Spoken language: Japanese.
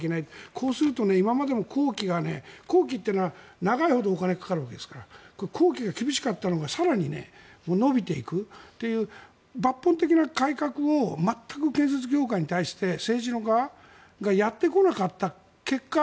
こうすると今までの工期が工期は長いほどお金がかかるわけですから工期が厳しかったのが更に延びていくという抜本的な改革を全く建設業界に対して政治側がやってこなかった結果